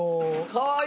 かわいい！